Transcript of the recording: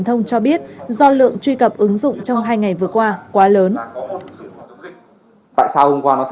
thì câu trả lời là không bao giờ nào